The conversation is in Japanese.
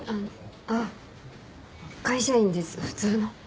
あっ会社員です普通の。